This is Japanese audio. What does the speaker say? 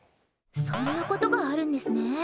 そんなことがあるんですね。